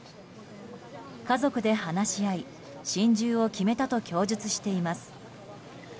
家族で話し合い心中を決めたと供述しています。